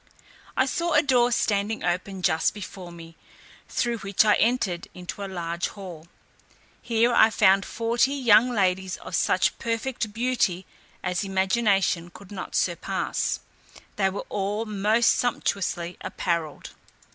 I saw a door standing open just before me, through which I entered into a large hall. Here I found forty young ladies of such perfect beauty as imagination could not surpass: they were all most sumptuously appareled.